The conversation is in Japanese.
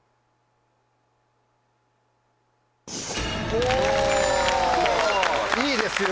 おいいですよ。